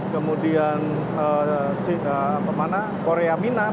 kemudian korea minat